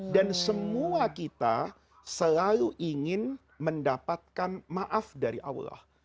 dan semua kita selalu ingin mendapatkan maaf dari allah